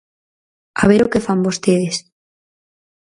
A ver o que fan vostedes.